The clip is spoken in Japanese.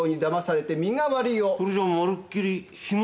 それじゃまるっきり『干物箱』だ。